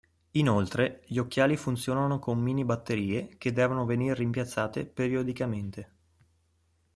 Inoltre gli occhiali funzionano con mini batterie che devono venir rimpiazzate periodicamente.